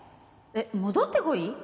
えっ戻ってこい？